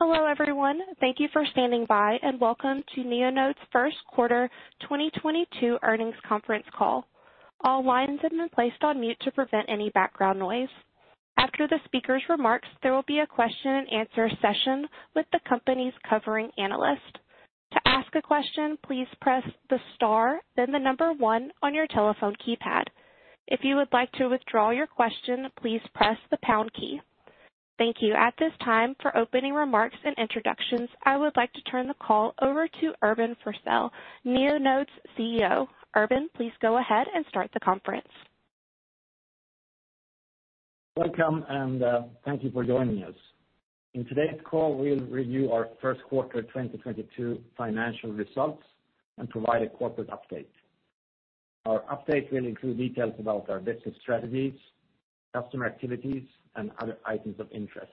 Hello everyone. Thank you for standing by and welcome to Neonode Q1 2022 earnings conference call. All lines have been placed on mute to prevent any background noise. After the speaker's remarks, there will be a question and answer session with the company's covering analyst. To ask a question, please press the star then the number one on your telephone keypad. If you would like to withdraw your question, please press the pound key. Thank you. At this time, for opening remarks and introductions, I would like to turn the call over to Urban Forssell, Neonode's CEO. Urban, please go ahead and start the conference. Welcome and, thank you for joining us. In today's call, we'll review our Q1 2022 financial results and provide a corporate update. Our update will include details about our business strategies, customer activities, and other items of interest.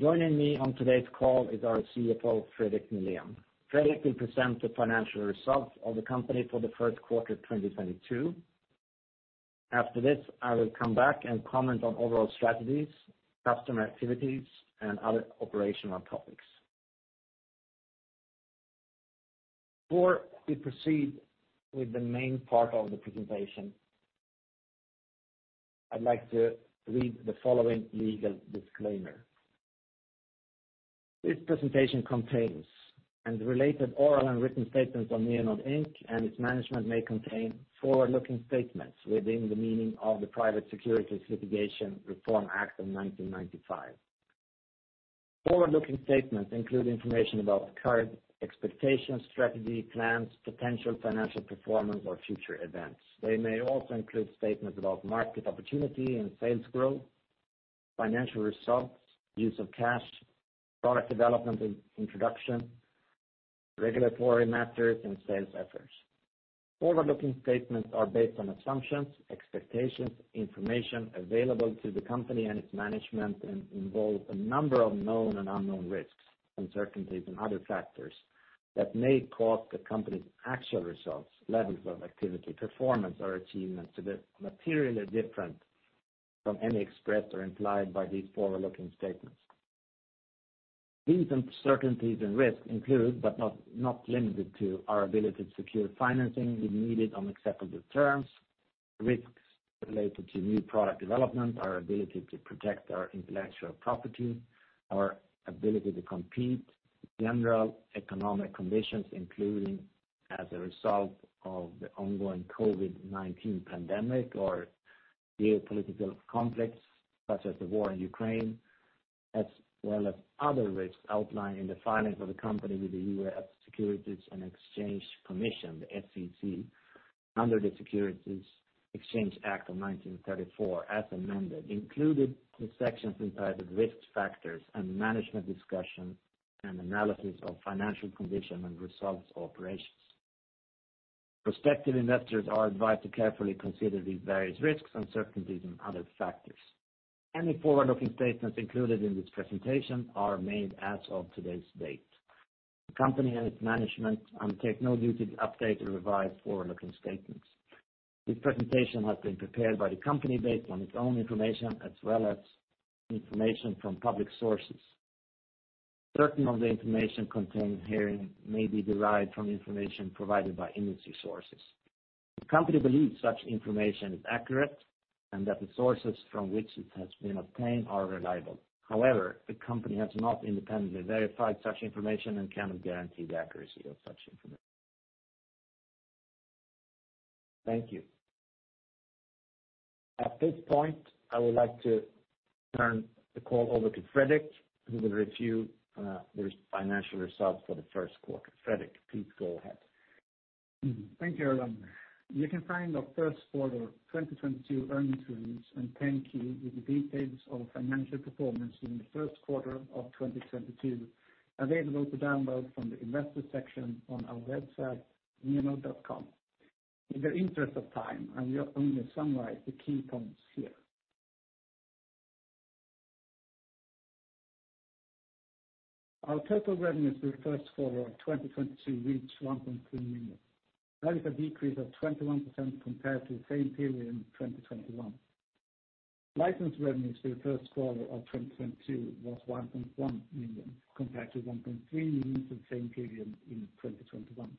Joining me on today's call is our CFO, Fredrik Nihlén. Fredrik will present the financial results of the company for the Q1 2022. After this, I will come back and comment on overall strategies, customer activities, and other operational topics. Before we proceed with the main part of the presentation, I'd like to read the following legal disclaimer. This presentation contains and related oral and written statements on Neonode Inc., and its management may contain forward-looking statements within the meaning of the Private Securities Litigation Reform Act of 1995. Forward-looking statements include information about current expectations, strategy, plans, potential financial performance, or future events. They may also include statements about market opportunity and sales growth, financial results, use of cash, product development and introduction, regulatory matters, and sales efforts. Forward-looking statements are based on assumptions, expectations, information available to the company and its management, and involve a number of known and unknown risks, uncertainties, and other factors that may cause the company's actual results, levels of activity, performance, or achievement to be materially different from any expressed or implied by these forward-looking statements. These uncertainties and risks include, but not limited to our ability to secure financing we needed on acceptable terms, risks related to new product development, our ability to protect our intellectual property, our ability to compete, general economic conditions, including as a result of the ongoing COVID-19 pandemic or geopolitical conflicts such as the war in Ukraine. As well as other risks outlined in the filings of the company with the U.S. Securities and Exchange Commission, the SEC, under the Securities Exchange Act of 1934 as amended, included in sections entitled Risk Factors and Management's Discussion and Analysis of Financial Condition and Results of Operations. Prospective investors are advised to carefully consider these various risks, uncertainties, and other factors. Any forward-looking statements included in this presentation are made as of today's date. The company and its management undertake no duty to update or revise forward-looking statements. This presentation has been prepared by the company based on its own information as well as information from public sources. Certain of the information contained herein may be derived from information provided by industry sources. The company believes such information is accurate and that the sources from which it has been obtained are reliable. However, the company has not independently verified such information and cannot guarantee the accuracy of such information. Thank you. At this point, I would like to turn the call over to Fredrik, who will review this financial results for the Q1. Fredrik, please go ahead. Thank you, Urban. You can find our Q1 2022 earnings release and 10-K with the details of financial performance in the Q1 of 2022 available to download from the investor section on our website, neonode.com. In the interest of time, I will only summarize the key points here. Our total revenue for the Q1 of 2022 reached $1.2 million. That is a decrease of 21% compared to the same period in 2021. License revenue for the Q1 of 2022 was $1.1 million, compared to $1.3 million the same period in 2021.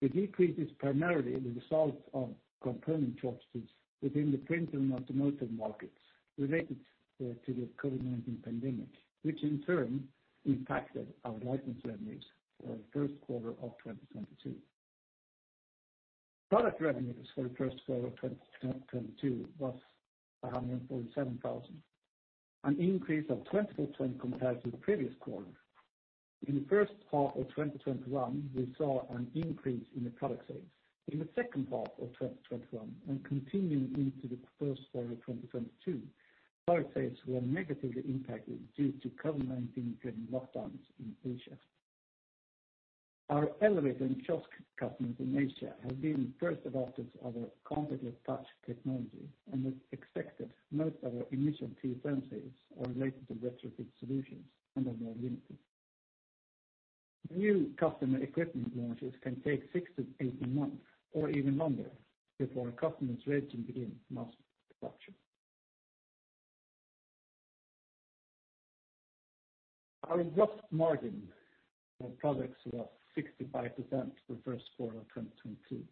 The decrease is primarily the result of component shortages within the printing and automotive markets related to the COVID-19 pandemic, which in turn impacted our license revenues for the Q1 of 2022. Product revenues for the Q1 of 2022 was $147,000, an increase of 20% compared to the previous quarter. In the first half of 2021, we saw an increase in the product sales. In the second half of 2021, and continuing into the Q1 of 2022, product sales were negatively impacted due to COVID-19 driven lockdowns in Asia. Our elevator and kiosk customers in Asia have been first adopters of our cognitive touch technology, and we expected most of our initial T10 sales are related to retrofit solutions and are more limited. New customer equipment launches can take 6-18 months or even longer before a customer is ready to begin mass production. Our gross margin on products was 65% for the Q1 of 2022,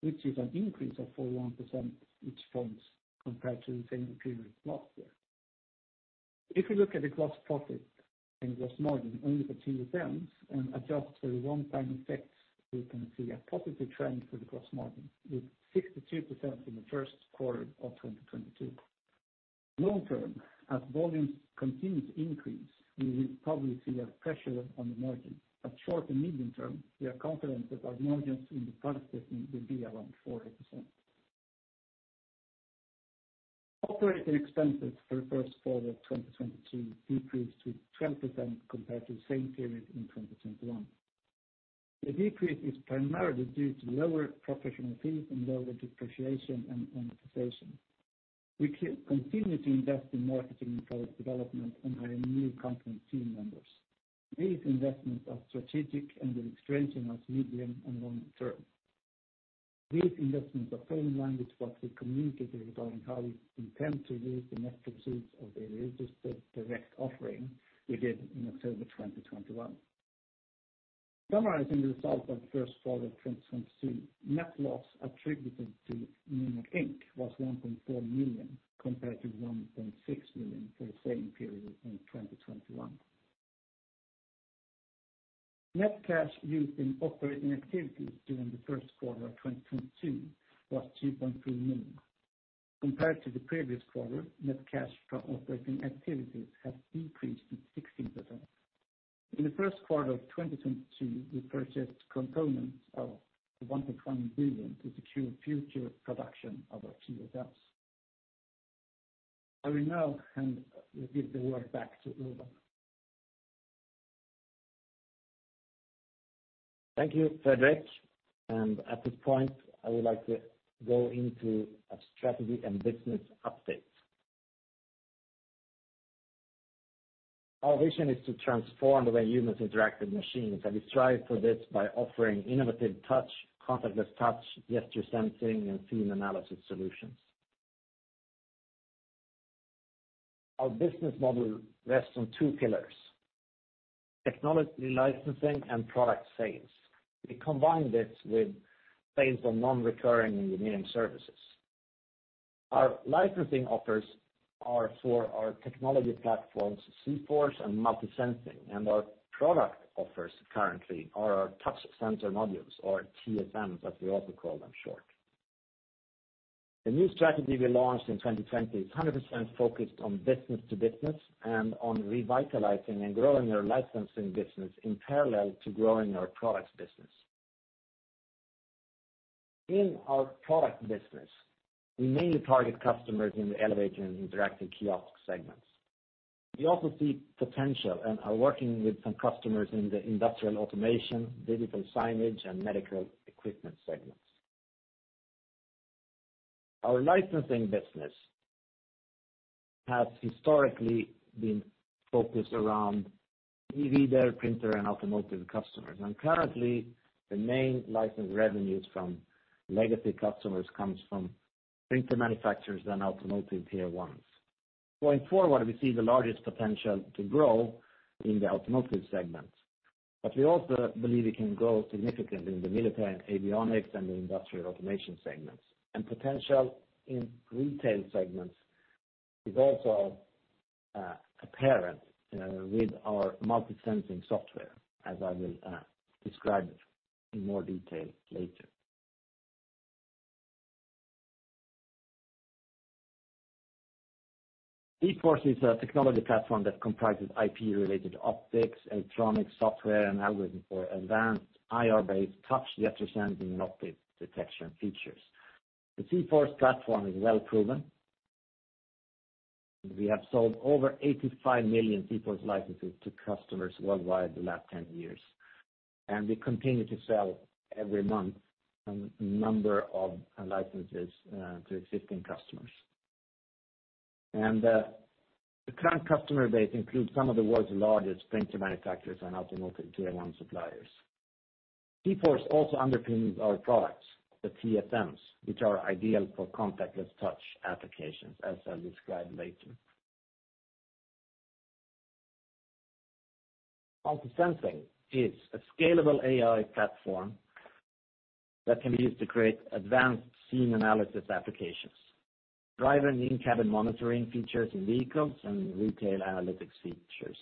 which is an increase of four percentage points compared to the same period last year. If you look at the gross profit and gross margin only for TSMs and adjust for the one-time effects, we can see a positive trend for the gross margin with 62% in the Q1 of 2022. Long-term, as volumes continue to increase, we will probably see a pressure on the margin. Short- and medium-term, we are confident that our margins in the products segment will be around 40%. Operating expenses for the Q1 of 2022 decreased to 20% compared to the same period in 2021. The decrease is primarily due to lower professional fees and lower depreciation and amortization. We continue to invest in marketing and product development and hiring new company team members. These investments are strategic and will strengthen us medium and long term. These investments are following in line with what we communicated regarding how we intend to use the net proceeds of the registered direct offering we did in October 2021. Summarizing the results of the Q1 of 2022, net loss attributed to Neonode Inc. was $1.4 million, compared to $1.6 million for the same period in 2021. Net cash used in operating activities during the Q1 of 2022 was $2.3 million. Compared to the previous quarter, net cash from operating activities have decreased to 16%. In the Q1 of 2022, we purchased components of $1.1 million to secure future production of our TSMs. I will now give the word back to Urban Forssell. Thank you, Fredrik. At this point, I would like to go into a strategy and business update. Our vision is to transform the way humans interact with machines, and we strive for this by offering innovative touch, contactless touch, gesture sensing, and scene analysis solutions. Our business model rests on two pillars, technology licensing and product sales. We combine this with sales on non-recurring engineering services. Our licensing offers are for our technology platforms, zForce and MultiSensing, and our product offers currently are our touch sensor modules or TSMs, as we also call them short. The new strategy we launched in 2020 is 100% focused on business to business and on revitalizing and growing our licensing business in parallel to growing our products business. In our product business, we mainly target customers in the elevator and interactive kiosk segments. We also see potential and are working with some customers in the industrial automation, digital signage, and medical equipment segments. Our licensing business has historically been focused around TV, printer, and automotive customers. Currently, the main license revenues from legacy customers comes from printer manufacturers and automotive tier ones. Going forward, we see the largest potential to grow in the automotive segment. We also believe we can grow significantly in the military and avionics and the industrial automation segments. Potential in retail segments is also apparent, with our MultiSensing software, as I will describe it in more detail later. zForce is a technology platform that comprises IP related optics, electronics, software, and algorithm for advanced IR-based touch, gesture sensing, and object detection features. The zForce platform is well proven. We have sold over 85 million zForce licenses to customers worldwide the last 10 years, and we continue to sell every month a number of licenses to existing customers. The current customer base includes some of the world's largest printer manufacturers and automotive tier one suppliers. zForce also underpins our products, the TSMs, which are ideal for contactless touch applications, as I'll describe later. MultiSensing is a scalable AI platform that can be used to create advanced scene analysis applications, driver and in-cabin monitoring features in vehicles, and retail analytics features.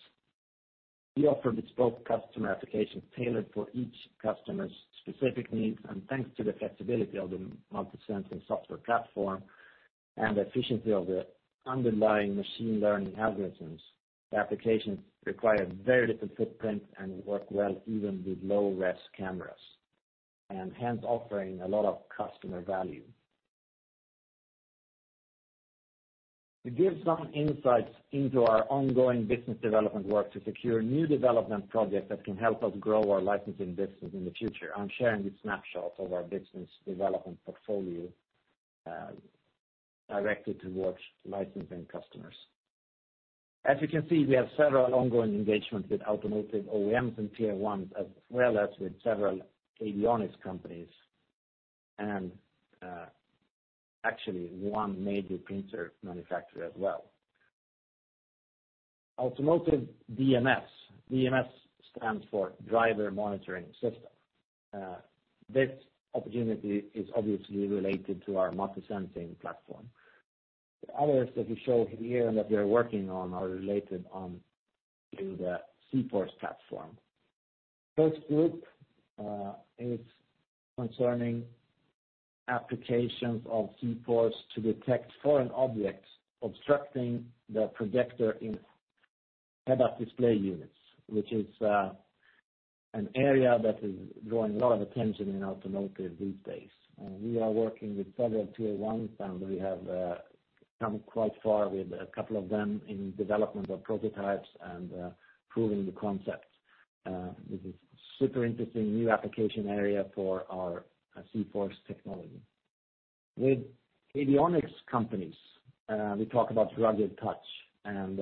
We offer bespoke customer applications tailored for each customer's specific needs, and thanks to the flexibility of the MultiSensing software platform and efficiency of the underlying machine learning algorithms, the applications require very little footprint and work well even with low-res cameras, and hence offering a lot of customer value. To give some insights into our ongoing business development work to secure new development projects that can help us grow our licensing business in the future, I'm sharing this snapshot of our business development portfolio, directed towards licensing customers. As you can see, we have several ongoing engagements with automotive OEMs and tier ones, as well as with several avionics companies, and actually one major printer manufacturer as well. Automotive DMS. DMS stands for Driver Monitoring System. This opportunity is obviously related to our MultiSensing platform. The others that we show here and that we are working on are related in the zForce platform. First group is concerning applications of zForce to detect foreign objects obstructing the projector in head-up display units, which is an area that is drawing a lot of attention in automotive these days. We are working with several tier one families have come quite far with a couple of them in development of prototypes and proving the concept. This is super interesting new application area for our zForce technology. With Avionics companies, we talk about rugged touch and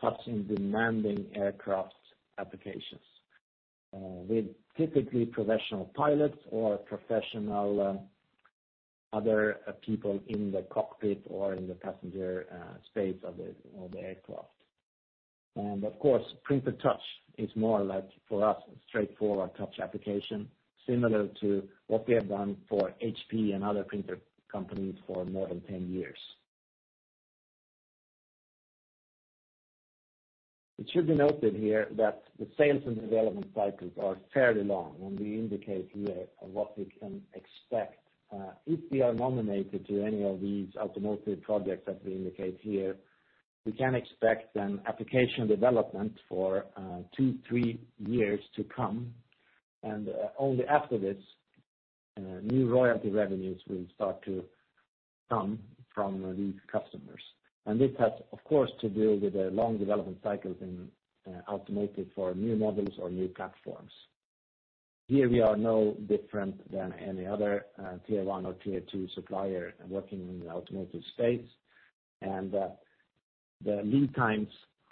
touch in demanding aircraft applications, with typically professional pilots or professional other people in the cockpit or in the passenger space of the aircraft. Of course, printer touch is more like, for us, a straightforward touch application, similar to what we have done for HP and other printer companies for more than 10 years. It should be noted here that the sales and development cycles are fairly long, and we indicate here what we can expect. If we are nominated to any of these automotive projects that we indicate here, we can expect an application development for two-three years to come, and only after this, new royalty revenues will start to come from these customers. This has, of course, to do with the long development cycles in automotive for new models or new platforms. Here we are no different than any other Tier one or Tier two supplier working in the automotive space. The lead times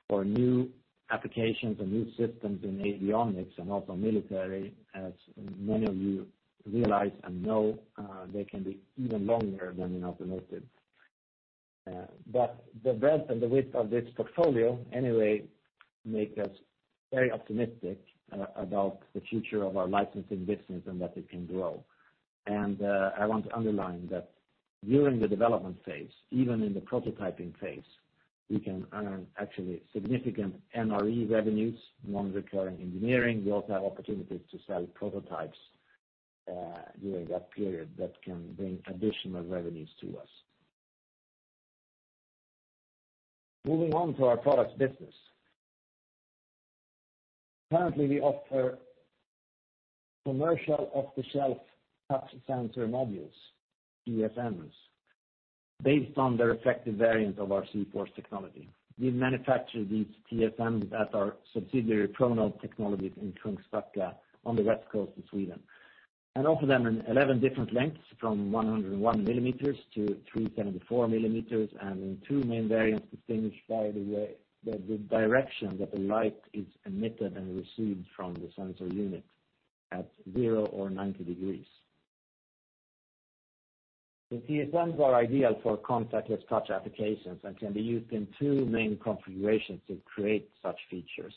for new applications and new systems in avionics and also military, as many of you realize and know, they can be even longer than in automotive. The breadth and the width of this portfolio anyway make us very optimistic about the future of our licensing business and that it can grow. I want to underline that during the development phase, even in the prototyping phase, we can earn actually significant NRE revenues, non-recurring engineering. We also have opportunities to sell prototypes during that period that can bring additional revenues to us. Moving on to our products business. Currently, we offer commercial off-the-shelf touch sensor modules, TSMs, based on an effective variant of our zForce technology. We manufacture these TSMs at our subsidiary, Pronode Technologies, in Kungshamn on the west coast of Sweden, and offer them in 11 different lengths from 101 millimeters to 374 millimeters, and in two main variants distinguished by the way, the direction that the light is emitted and received from the sensor unit at 0 or 90 degrees. The TSMs are ideal for contactless touch applications and can be used in two main configurations to create such features,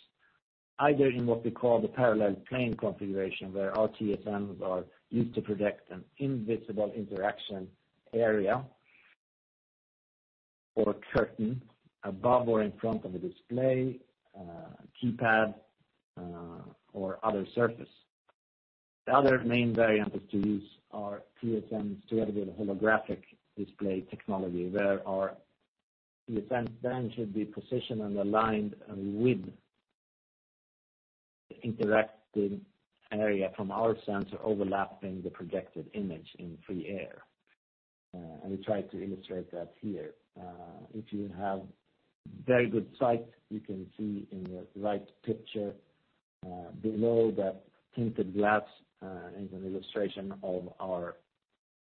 either in what we call the parallel plane configuration, where our TSMs are used to protect an invisible interaction area or curtain above or in front of a display, keypad, or other surface. The other main variant is to use our TSMs together with holographic display technology, where our TSMs then should be positioned and aligned with the interacting area from our sensor overlapping the projected image in free air. We try to illustrate that here. If you have very good sight, you can see in the right picture, below that tinted glass, is an illustration of our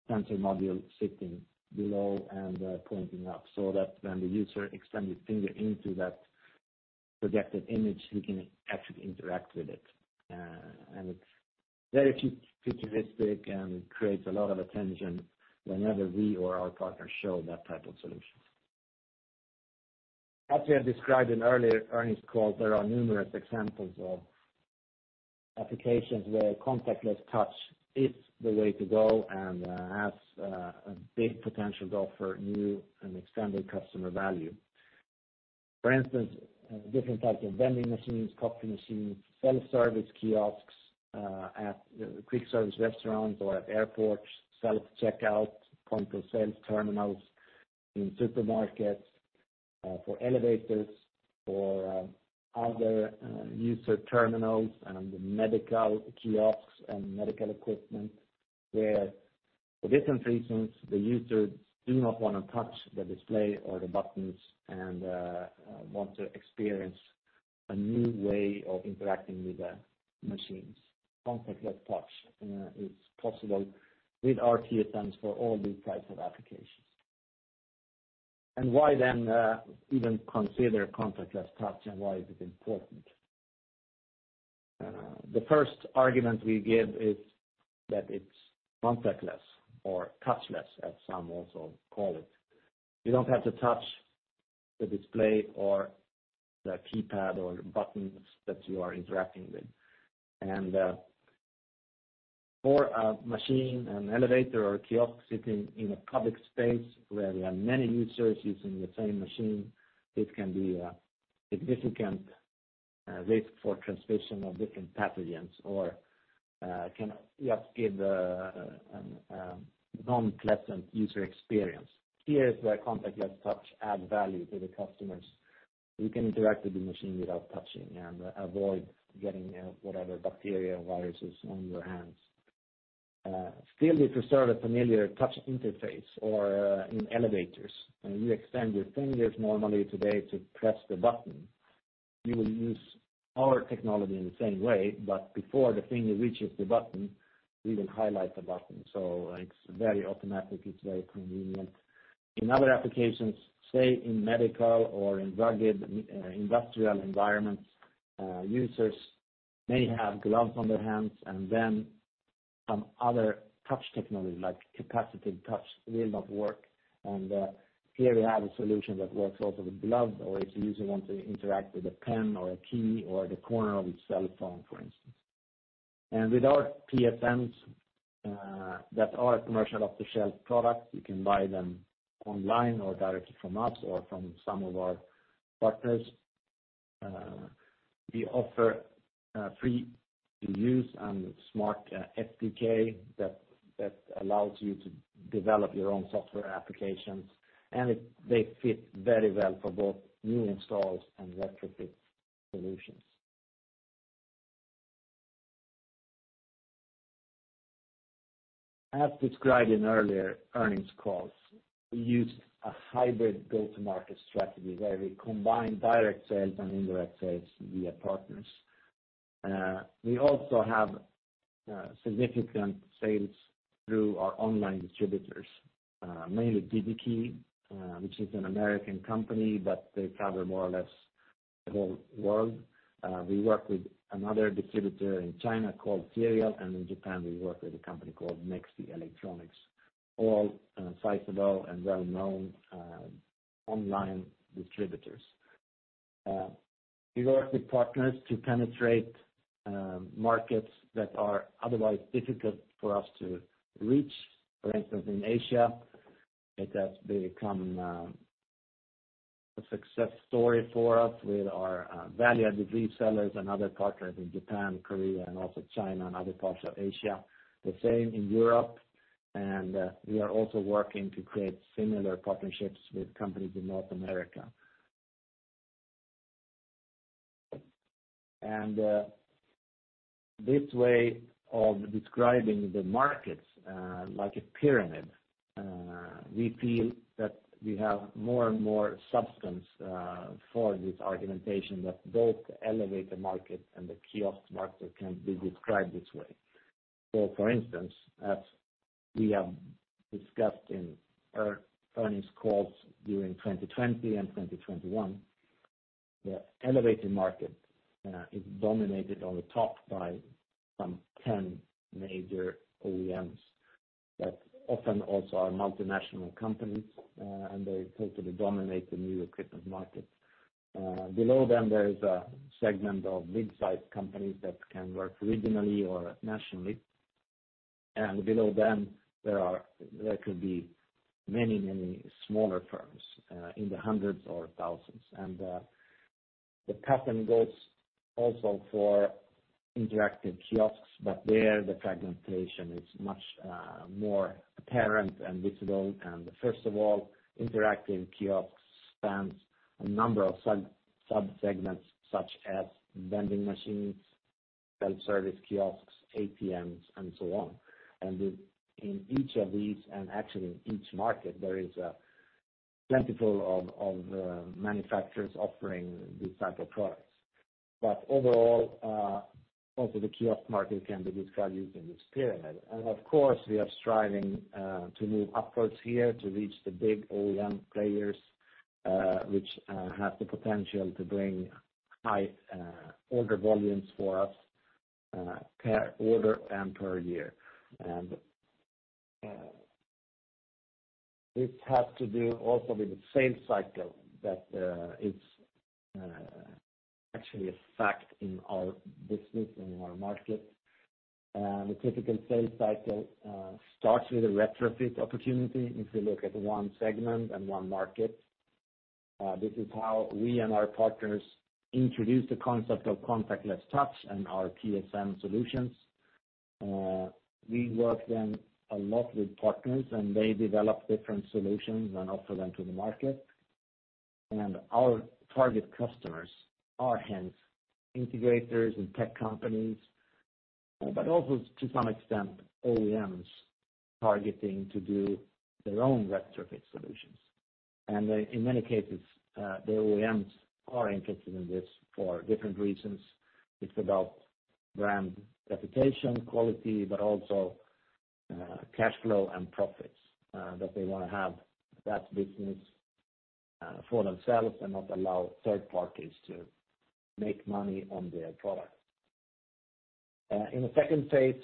sensor module sitting below and pointing up so that when the user extends his finger into that projected image, he can actually interact with it. It's very futuristic and creates a lot of attention whenever we or our partners show that type of solution. As we have described in earlier earnings calls, there are numerous examples of applications where contactless touch is the way to go and has a big potential to offer new and extended customer value. For instance, different types of vending machines, coffee machines, self-service kiosks, at quick service restaurants or at airports, self-checkout, point-of-sale terminals in supermarkets, for elevators or other user terminals and medical kiosks and medical equipment, where for different reasons, the users do not wanna touch the display or the buttons and want to experience a new way of interacting with the machines. Contactless touch is possible with our TSMs for all these types of applications. Why then even consider contactless touch and why is it important? The first argument we give is that it's contactless or touchless, as some also call it. You don't have to touch the display or the keypad or the buttons that you are interacting with. For a machine, an elevator or a kiosk sitting in a public space where there are many users using the same machine, it can be a significant risk for transmission of different pathogens or can just give non-pleasant user experience. Here is where contactless touch add value to the customers, who can interact with the machine without touching and avoid getting whatever bacteria, viruses on your hands. Still it will serve a familiar touch interface or in elevators. When you extend your fingers normally today to press the button, you will use our technology in the same way, but before the finger reaches the button, we will highlight the button. It's very automatic, it's very convenient. In other applications, say in medical or in rugged industrial environments, users may have gloves on their hands and then some other touch technology, like capacitive touch, will not work. Here we have a solution that works also with gloves or if the user wants to interact with a pen or a key or the corner of a cell phone, for instance. With our TSMs that are a commercial off-the-shelf product, you can buy them online or directly from us or from some of our partners. We offer free to use and smart SDK that allows you to develop your own software applications. They fit very well for both new installs and retrofit solutions. As described in earlier earnings calls, we use a hybrid go-to-market strategy, where we combine direct sales and indirect sales via partners. We also have significant sales through our online distributors, mainly Digi-Key, which is an American company, but they cover more or less the whole world. We work with another distributor in China called Serial, and in Japan we work with a company called NEXTY Electronics. All sizable and well-known online distributors. We work with partners to penetrate markets that are otherwise difficult for us to reach. For instance, in Asia, it has become a success story for us with our valued resellers and other partners in Japan, Korea, and also China and other parts of Asia. The same in Europe, and we are also working to create similar partnerships with companies in North America. This way of describing the markets, like a pyramid, we feel that we have more and more substance for this argumentation that both the elevator market and the kiosk market can be described this way. For instance, as we have discussed in earnings calls during 2020 and 2021, the elevator market is dominated on the top by some 10 major OEMs that often also are multinational companies, and they totally dominate the new equipment market. Below them, there is a segment of mid-sized companies that can work regionally or nationally. Below them, there could be many smaller firms in the hundreds or thousands. The pattern goes also for interactive kiosks, but there the fragmentation is much more apparent and visible. First of all, interactive kiosks spans a number of sub segments, such as vending machines, self-service kiosks, ATMs, and so on. In each of these, and actually in each market, there is plenty of manufacturers offering these type of products. Overall, also the kiosk market can be described using this pyramid. Of course, we are striving to move upwards here to reach the big OEM players, which have the potential to bring high order volumes for us per order and per year. This has to do also with the sales cycle that is actually a fact in our business, in our market. The typical sales cycle starts with a retrofit opportunity, if you look at one segment and one market. This is how we and our partners introduce the concept of contactless touch and our TSM solutions. We work then a lot with partners, and they develop different solutions and offer them to the market. Our target customers are hence integrators and tech companies. Also to some extent, OEMs targeting to do their own retrofit solutions. They, in many cases, the OEMs are interested in this for different reasons. It's about brand reputation, quality, but also, cash flow and profits, that they wanna have that business, for themselves and not allow third parties to make money on their product. In the second phase,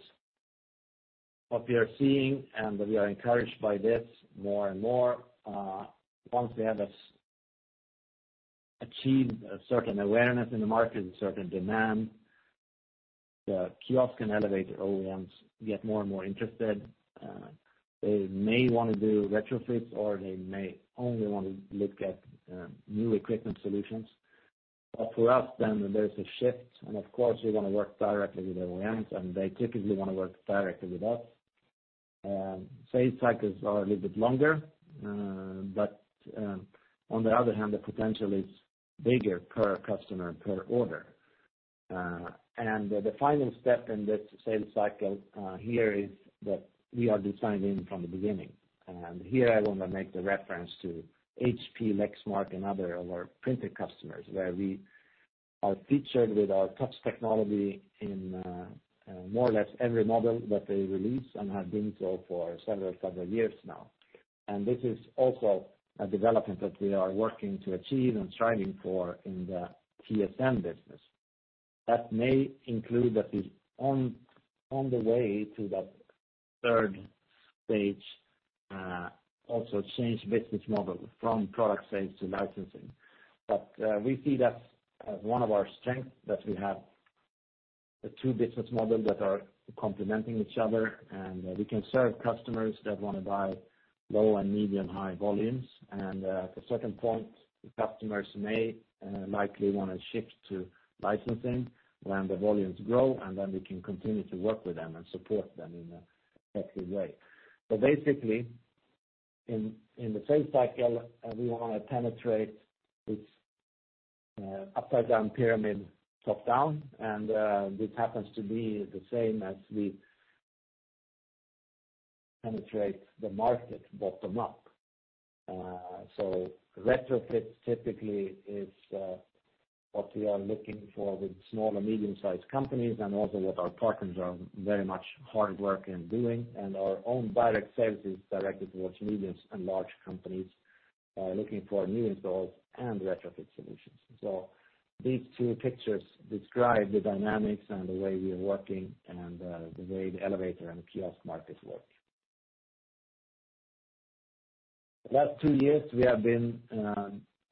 what we are seeing, and we are encouraged by this more and more, once we achieve a certain awareness in the market and certain demand, the kiosk and elevator OEMs get more and more interested. They may wanna do retrofits, or they may only want to look at new equipment solutions. For us then there's a shift, and of course, we wanna work directly with OEMs, and they typically wanna work directly with us. Sales cycles are a little bit longer, but on the other hand, the potential is bigger per customer, per order. The final step in this sales cycle here is that we are designing from the beginning. Here I wanna make the reference to HP, Lexmark and other of our printer customers, where we are featured with our touch technology in more or less every model that they release and have been so for several years now. This is also a development that we are working to achieve and striving for in the TSM business. That may include that is on the way to that third stage, also change business model from product sales to licensing. We see that as one of our strength, that we have the two business model that are complementing each other, and we can serve customers that wanna buy low and medium-high volumes. The second point, the customers may likely wanna shift to licensing when the volumes grow, and then we can continue to work with them and support them in a effective way. Basically, in the sales cycle, we wanna penetrate this upside down pyramid top down, and this happens to be the same as we penetrate the market bottom up. Retrofit typically is what we are looking for with small and medium-sized companies and also what our partners are very much hard working in doing, and our own direct sales is directed towards medium and large companies, looking for new installs and retrofit solutions. These two pictures describe the dynamics and the way we are working and the way the elevator and kiosk markets work. Last two years, we have been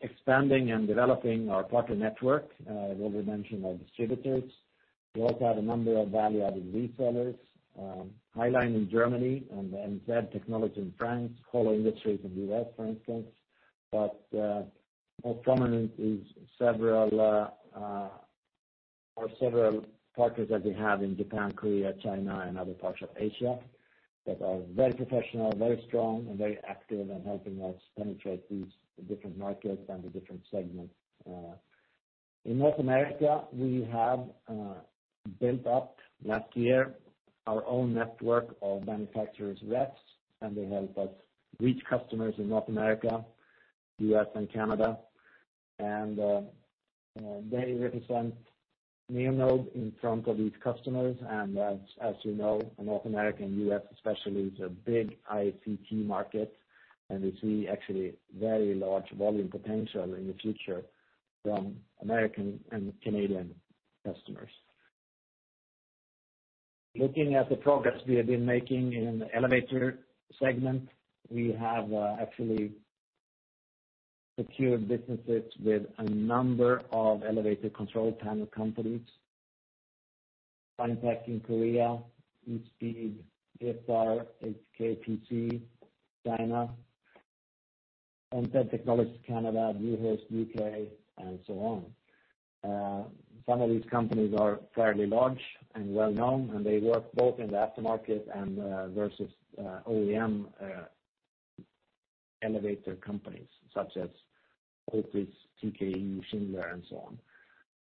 expanding and developing our partner network, as well as we mentioned our distributors. We also have a number of value-added resellers, HY-LINE in Germany and MZ Technologie in France, Holo Industries in the US, for instance. Most prominent is several partners that we have in Japan, Korea, China, and other parts of Asia, that are very professional, very strong, and very active in helping us penetrate these different markets and the different segments. In North America, we have built up last year our own network of manufacturers' reps, and they help us reach customers in North America, U.S. and Canada. They represent Neonode in front of these customers. As you know, in North America and U.S. especially, it's a big ICT market, and we see actually very large volume potential in the future from American and Canadian customers. Looking at the progress we have been making in the elevator segment, we have actually secured businesses with a number of elevator control panel companies, Finetek in Korea, E-speed, FSR, HKPC, China, NZ Technologies, Canada, VIVID Technology, UK, and so on. Some of these companies are fairly large and well-known, and they work both in the aftermarket and versus OEM elevator companies such as Otis, TKE, Schindler, and so on.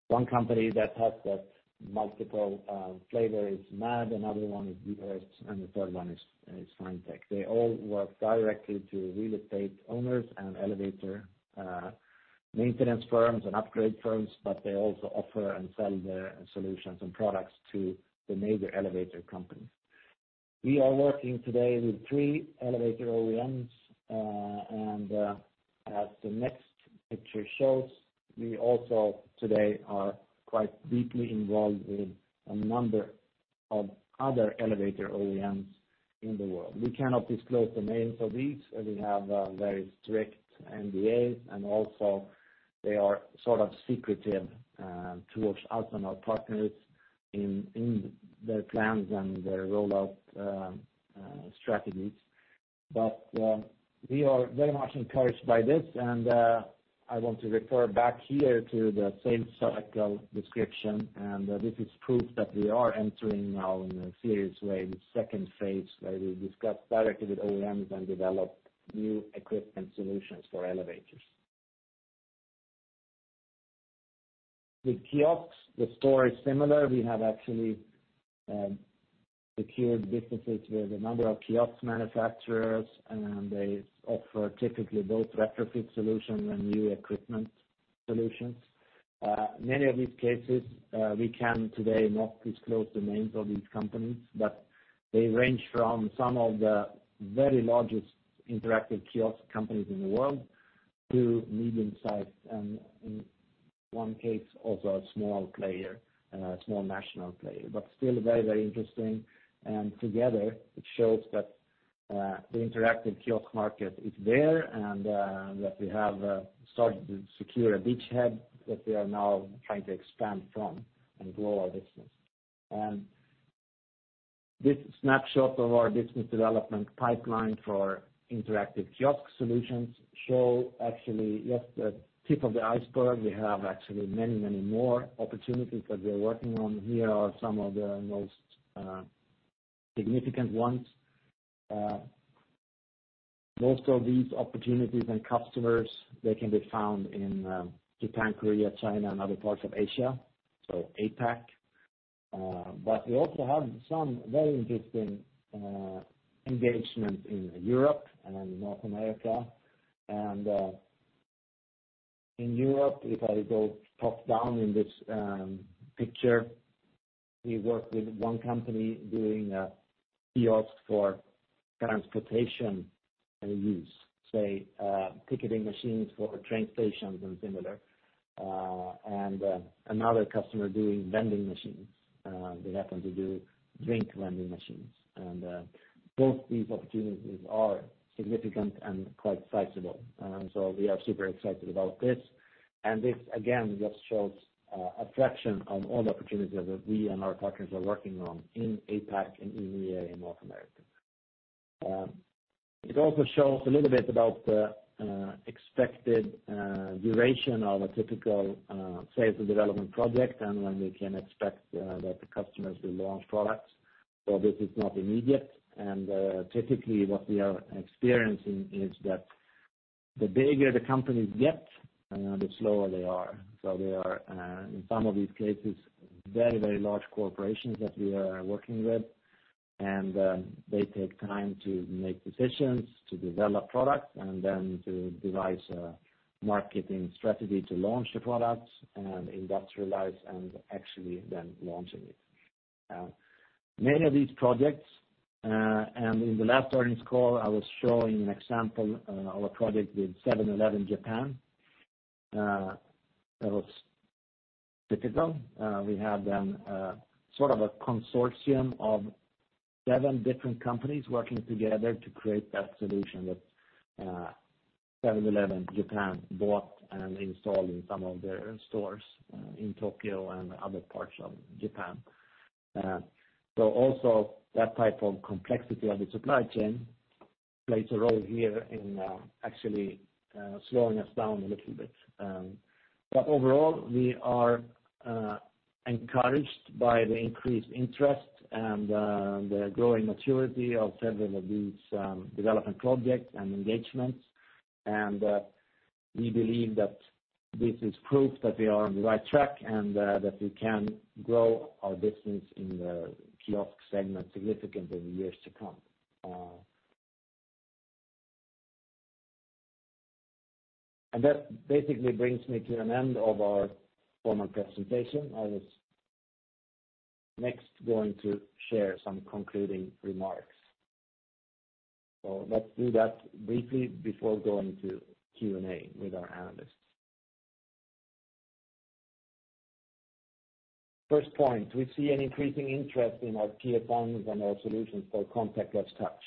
One company that has that multiple flavor is MAD, another one is VIVID Technology, and the third one is Finetek. They all work directly to real estate owners and elevator maintenance firms and upgrade firms, but they also offer and sell their solutions and products to the major elevator companies. We are working today with three elevator OEMs, and, as the next picture shows, we also today are quite deeply involved with a number of other elevator OEMs in the world. We cannot disclose the names of these, as we have a very strict NDA, and also they are sort of secretive, towards us and our partners in their plans and their rollout, strategies. We are very much encouraged by this and, I want to refer back here to the sales cycle description, and this is proof that we are entering now in a serious way, the second phase, where we discuss directly with OEMs and develop new equipment solutions for elevators. With kiosks, the story is similar. We have actually, secured businesses with a number of kiosks manufacturers, and they offer typically both retrofit solutions and new equipment solutions. Many of these cases, we can today not disclose the names of these companies, but they range from some of the very largest interactive kiosk companies in the world to medium-sized, and in one case, also a small player, a small national player, but still very, very interesting. Together it shows that, the interactive kiosk market is there, and, that we have, started to secure a beachhead that we are now trying to expand from and grow our business. This snapshot of our business development pipeline for interactive kiosk solutions show actually just the tip of the iceberg. We have actually many, many more opportunities that we are working on. Here are some of the most, significant ones. Most of these opportunities and customers, they can be found in, Japan, Korea, China, and other parts of Asia, so APAC. We also have some very interesting engagement in Europe and North America. In Europe, if I go top down in this picture, we work with one company doing kiosks for transportation use, say, ticketing machines for train stations and similar, and another customer doing vending machines. They happen to do drink vending machines. Both these opportunities are significant and quite sizable. We are super excited about this. This again just shows a fraction of all the opportunities that we and our partners are working on in APAC, in EMEA, in North America. It also shows a little bit about the expected duration of a typical sales and development project and when we can expect that the customers will launch products. This is not immediate. Typically what we are experiencing is that the bigger the companies get, the slower they are. They are, in some of these cases, very, very large corporations that we are working with. They take time to make decisions, to develop products, and then to devise a marketing strategy to launch the products and industrialize and actually then launching it. Many of these projects, and in the last earnings call, I was showing an example of a project with 7-Eleven Japan that was difficult. We had then sort of a consortium of seven different companies working together to create that solution that 7-Eleven Japan bought and installed in some of their stores in Tokyo and other parts of Japan. Also that type of complexity of the supply chain plays a role here in, actually, slowing us down a little bit. Overall, we are encouraged by the increased interest and the growing maturity of several of these development projects and engagements. We believe that this is proof that we are on the right track and that we can grow our business in the kiosk segment significantly in the years to come. That basically brings me to an end of our formal presentation. I was next going to share some concluding remarks. Let's do that briefly before going to Q&A with our analysts. First point, we see an increasing interest in our key offerings and our solutions for contactless touch.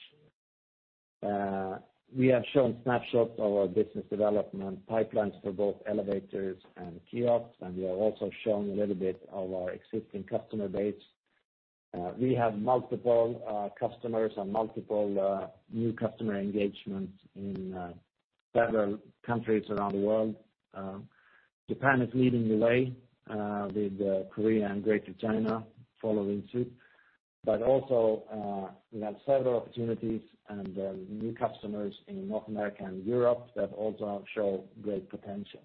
We have shown snapshots of our business development pipelines for both elevators and kiosks, and we have also shown a little bit of our existing customer base. We have multiple customers and multiple new customer engagements in several countries around the world. Japan is leading the way with Korea and Greater China following suit. Also, we have several opportunities and new customers in North America and Europe that also show great potential.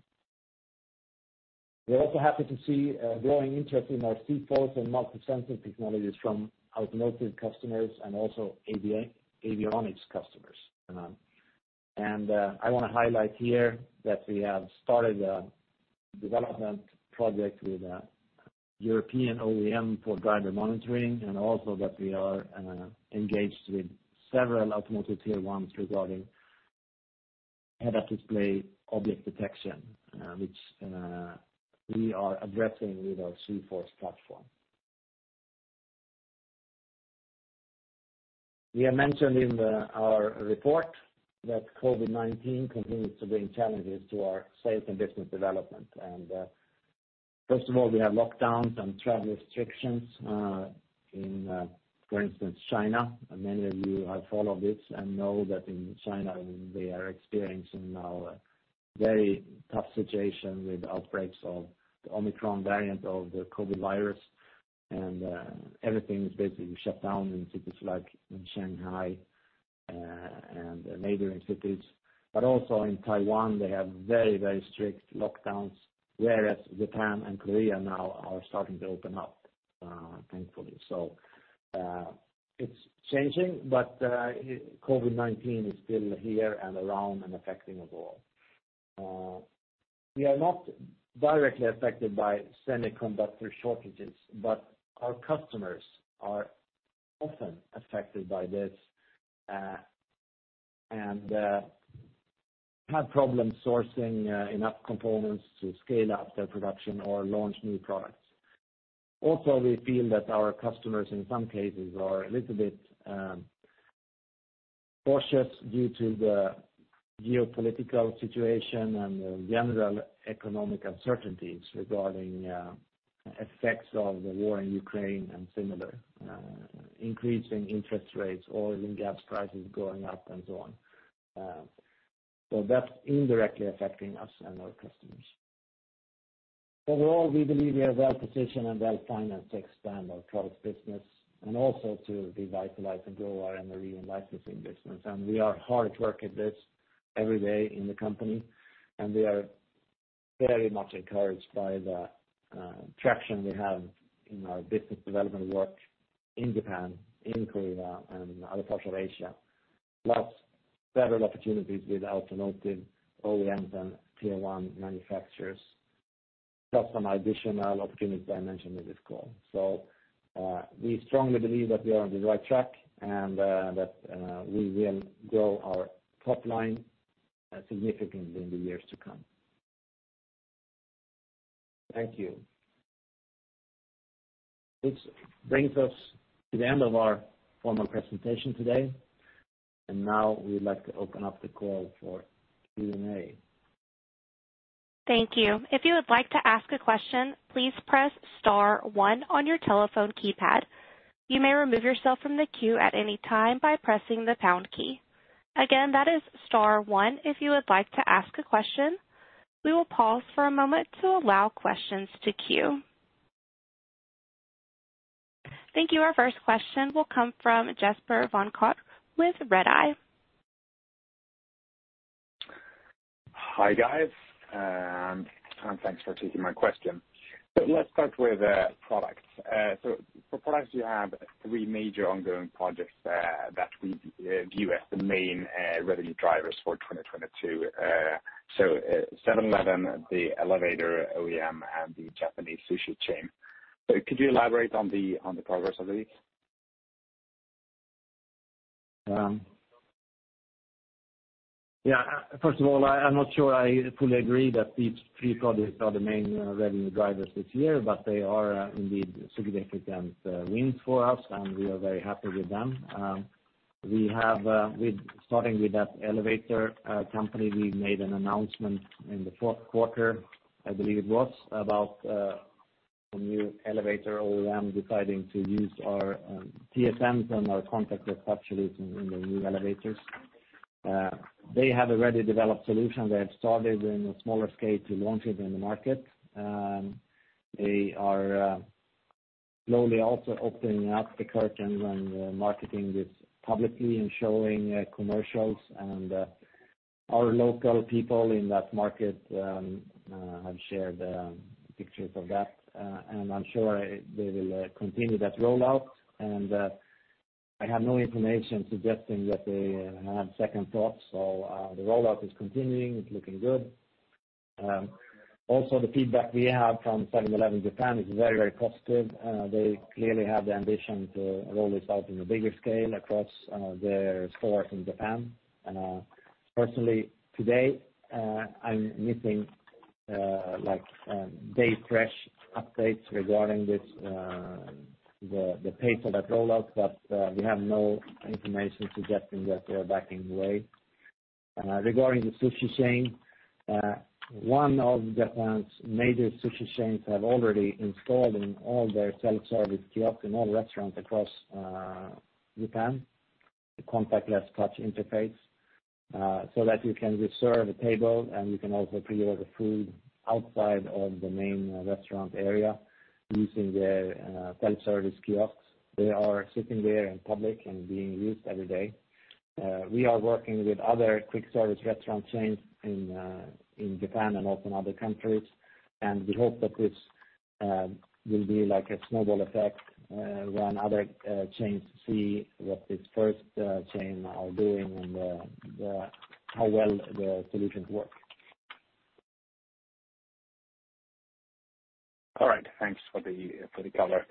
We are also happy to see a growing interest in our zForce and MultiSensing technologies from automotive customers and also avionics customers. I wanna highlight here that we have started a development project with a European OEM for driver monitoring, and also that we are engaged with several automotive tier ones regarding head-up display object detection, which we are addressing with our zForce platform. We have mentioned in our report that COVID-19 continues to bring challenges to our sales and business development. First of all, we have lockdowns and travel restrictions in, for instance, China. Many of you have followed this and know that in China they are experiencing now a very tough situation with outbreaks of the Omicron variant of the COVID virus. Everything is basically shut down in cities like in Shanghai and neighboring cities, but also in Taiwan, they have very, very strict lockdowns, whereas Japan and Korea now are starting to open up, thankfully. It's changing, but COVID-19 is still here and around and affecting us all. We are not directly affected by semiconductor shortages, but our customers are often affected by this and have problems sourcing enough components to scale up their production or launch new products. Also, we feel that our customers, in some cases, are a little bit cautious due to the geopolitical situation and the general economic uncertainties regarding effects of the war in Ukraine and similar increasing interest rates, oil and gas prices going up and so on. That's indirectly affecting us and our customers. Overall, we believe we are well-positioned and well-financed to expand our products business and also to revitalize and grow our NRE and licensing business. We are hard at work at this every day in the company, and we are very much encouraged by the traction we have in our business development work in Japan, in Korea and other parts of Asia. Plus several opportunities with automotive OEMs and tier one manufacturers. Plus some additional opportunities I mentioned in this call. We strongly believe that we are on the right track and that we will grow our top line significantly in the years to come. Thank you. This brings us to the end of our formal presentation today, and now we'd like to open up the call for Q&A. Thank you. If you would like to ask a question, please press star one on your telephone keypad. You may remove yourself from the queue at any time by pressing the pound key. Again, that is star one if you would like to ask a question. We will pause for a moment to allow questions to queue. Thank you. Our first question will come from Jesper von Koch with Redeye. Hi, guys, and thanks for taking my question. Let's start with products. For products, you have three major ongoing projects that we view as the main revenue drivers for 2022. 7-Eleven, the elevator OEM and the Japanese sushi chain. Could you elaborate on the progress of these? Yeah, first of all, I'm not sure I fully agree that these three products are the main revenue drivers this year, but they are indeed significant wins for us, and we are very happy with them. We have, with starting with that elevator company, we made an announcement in the Q4, I believe it was, about a new elevator OEM deciding to use our TSMs and our contactless touch solution in the new elevators. They have already developed solution. They have started in a smaller scale to launch it in the market. They are slowly also opening up the curtains and marketing this publicly and showing commercials. Our local people in that market have shared pictures of that, and I'm sure they will continue that rollout. I have no information suggesting that they had second thoughts. The rollout is continuing. It's looking good. Also, the feedback we have from 7-Eleven Japan is very, very positive. They clearly have the ambition to roll this out on a bigger scale across their stores in Japan. Personally, today, I'm missing, like, daily fresh updates regarding this, the pace of that rollout. We have no information suggesting that they are backing away. Regarding the sushi chain, one of Japan's major sushi chains have already installed in all their self-service kiosks in all restaurants across Japan, the contactless touch interface, so that you can reserve a table, and you can also pre-order food outside of the main restaurant area using the self-service kiosks. They are sitting there in public and being used every day. We are working with other quick service restaurant chains in in Japan and also in other countries. We hope that this will be like a snowball effect when other chains see what this first chain are doing and how well the solutions work. All right. Thanks for the color.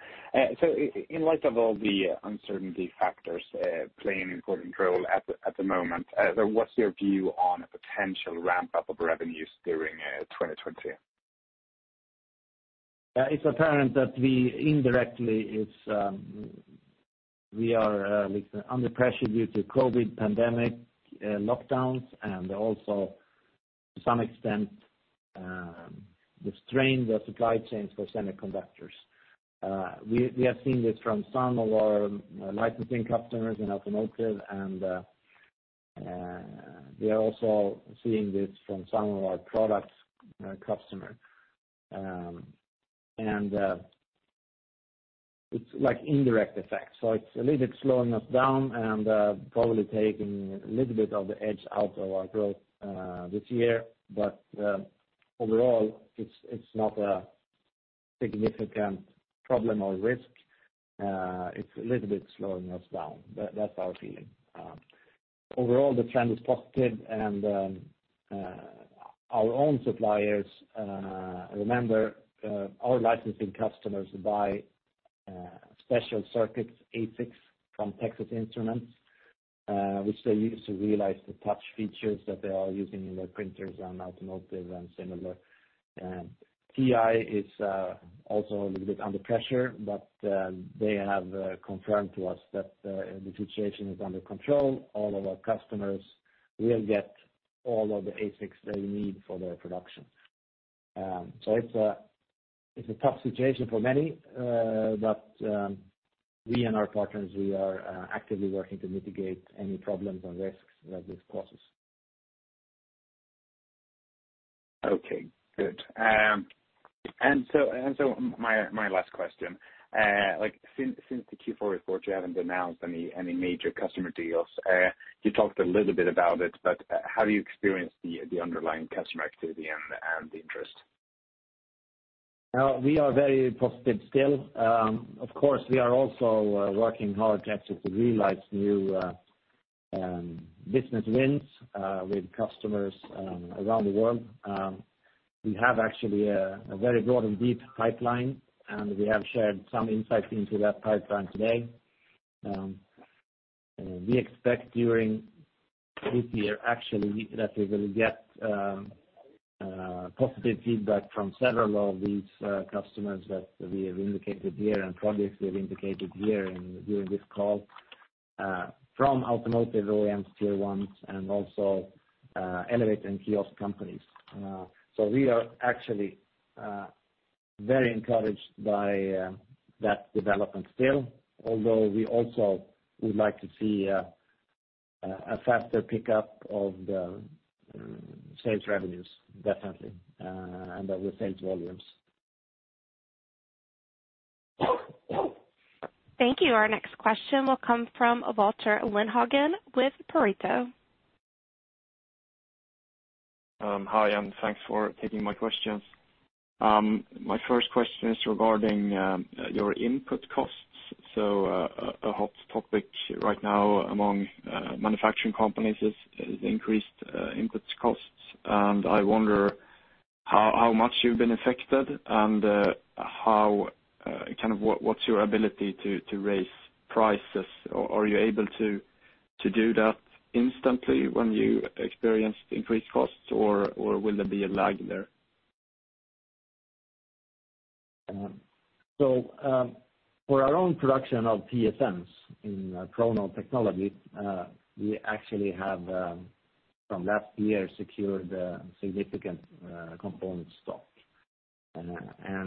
In light of all the uncertainty factors playing an important role at the moment, what's your view on a potential ramp-up of revenues during 2022? It's apparent that we are under pressure due to COVID pandemic, lockdowns and also to some extent, the strain on the supply chains for semiconductors. We have seen this from some of our licensing customers in automotive, and we are also seeing this from some of our product customers. It's an indirect effect, so it's a little bit slowing us down and probably taking a little bit of the edge out of our growth this year. Overall, it's not a significant problem or risk. It's a little bit slowing us down. That's our feeling. Overall the trend is positive and our own suppliers, remember, our licensing customers buy special circuits ASICs from Texas Instruments, which they use to realize the touch features that they are using in their printers and automotive and similar. TI is also a little bit under pressure, but they have confirmed to us that the situation is under control. All of our customers will get all of the ASICs they need for their production. It's a tough situation for many, but we and our partners are actively working to mitigate any problems or risks that this causes. Okay, good. My last question. Like since the Q4 report, you haven't announced any major customer deals. You talked a little bit about it, but how do you experience the underlying customer activity and the interest? We are very positive still. Of course, we are also working hard actually to realize new business wins with customers around the world. We have actually a very broad and deep pipeline, and we have shared some insights into that pipeline today. We expect during this year actually that we will get positive feedback from several of these customers that we have indicated here and projects we have indicated here and during this call from automotive OEMs, Tier 1s, and also elevator and kiosk companies. We are actually very encouraged by that development still, although we also would like to see a faster pickup of the sales revenues, definitely, and with sales volumes. Thank you. Our next question will come from Valter Lindhagen with Pareto. Hi, and thanks for taking my questions. My first question is regarding your input costs. A hot topic right now among manufacturing companies is increased input costs. I wonder how much you've been affected and how kind of what is your ability to raise prices. Are you able to do that instantly when you experience increased costs or will there be a lag there? For our own production of TSMs in Pronode Technologies, we actually have from last year secured a significant component stock.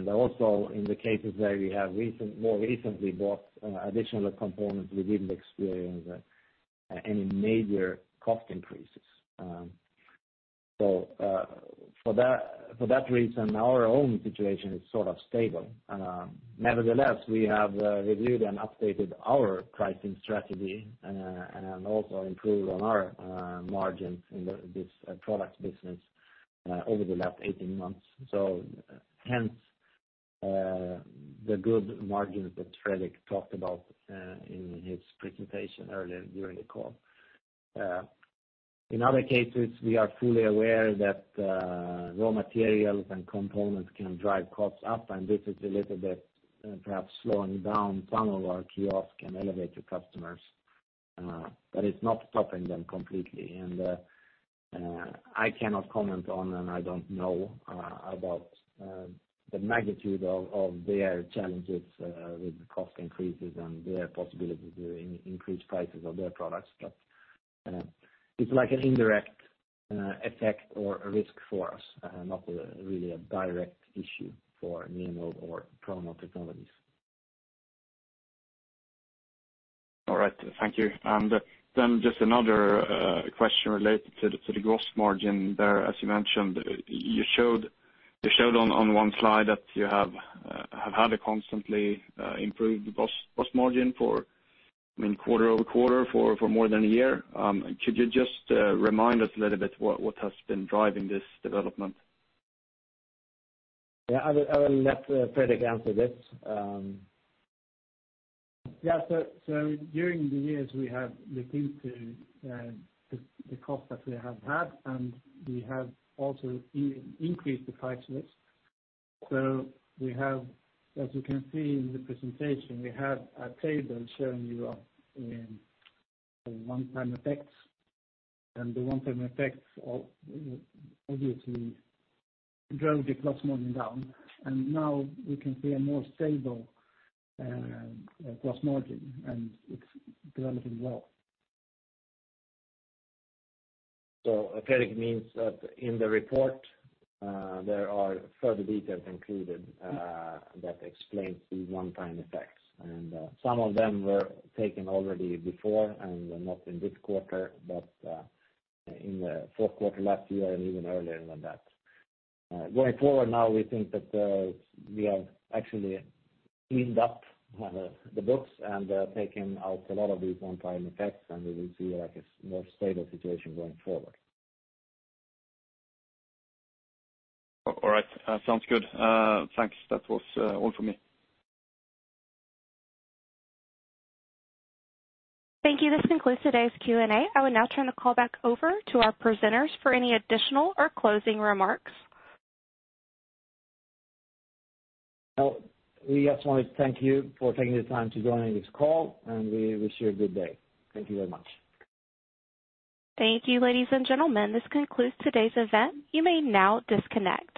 Also in the cases where we have more recently bought additional components, we didn't experience any major cost increases. For that reason, our own situation is sort of stable. Nevertheless, we have reviewed and updated our pricing strategy and also improved on our margins in this product business over the last 18 months. Hence, the good margins that Fredrik talked about in his presentation earlier during the call. In other cases, we are fully aware that raw materials and components can drive costs up, and this is a little bit perhaps slowing down some of our kiosk and elevator customers, but it's not stopping them completely. I cannot comment on, and I don't know about the magnitude of their challenges with the cost increases and their possibility to increase prices of their products. It's like an indirect effect or risk for us, not really a direct issue for Neonode or Pronode Technologies. All right. Thank you. Then just another question related to the gross margin there. As you mentioned, you showed on one slide that you have had a constantly improved gross margin for, I mean, quarter-over-quarter for more than a year. Could you just remind us a little bit what has been driving this development? Yeah. I will let Fredrik answer this. Yeah. During the years, we have looked into the cost that we have had, and we have also increased the price list. We have, as you can see in the presentation, we have a table showing you one-time effects. The one-time effects obviously drove the gross margin down. Now we can see a more stable gross margin, and it's developing well. Fredrik means that in the report, there are further details included that explains the one-time effects. Some of them were taken already before and not in this quarter, but in the Q4 last year and even earlier than that. Going forward now, we think that we have actually cleaned up the books and taken out a lot of these one-time effects and we will see like a more stable situation going forward. All right. Sounds good. Thanks. That was all for me. Thank you. This concludes today's Q&A. I will now turn the call back over to our presenters for any additional or closing remarks. Well, we just want to thank you for taking the time to join this call, and we wish you a good day. Thank you very much. Thank you, ladies and gentlemen. This concludes today's event. You may now disconnect.